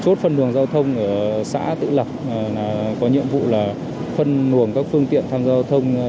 chốt phân đường giao thông ở xã tự lập có nhiệm vụ là phân nguồn các phương tiện phân giao thông